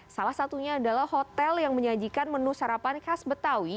salah satunya adalah hotel yang menyajikan menu sarapan khas betawi